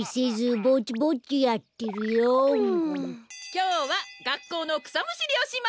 きょうはがっこうのくさむしりをします！